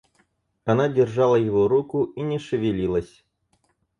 Она держала его руку и не шевелилась.